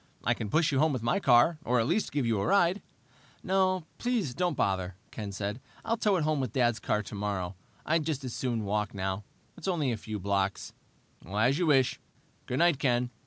"I can push you home with my car, or at least give you a ride." "No, please don't bother," Ken said. "I'll tow it home with Dad's car tomorrow. I'd just as soon walk, now. It's only a few blocks." "As you wish. Good night, Ken."